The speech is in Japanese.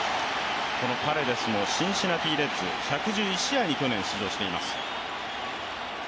パレデスもシンシナティ・レッズ１１１試合に去年出場しています。